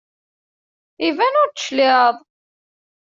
Iban ur d-tecliεeḍ.